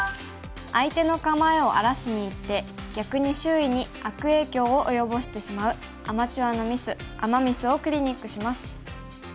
相手の構えを荒らしにいって逆に周囲に悪影響を及ぼしてしまうアマチュアのミスアマ・ミスをクリニックします。